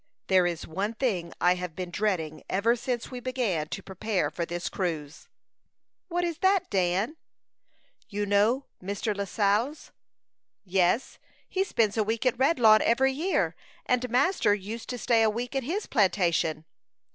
There is one thing I have been dreading ever since we began to prepare for this cruise." "What is that, Dan?" "You know Mr. Lascelles?" "Yes; he spends a week at Redlawn every year, and master used to stay a week at his plantation."